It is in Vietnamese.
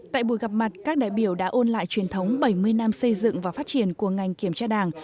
tại buổi gặp mặt các đại biểu đã ôn lại truyền thống bảy mươi năm xây dựng và phát triển của ngành kiểm tra đảng